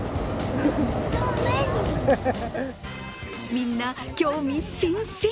みんな興味津々。